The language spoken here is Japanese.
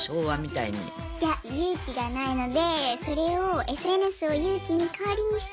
いや勇気がないのでそれをＳＮＳを勇気の代わりにして。